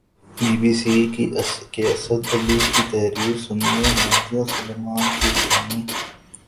be B C کے اسد علی کی تحریر سنیے نادیہ سلیمان کی زبانی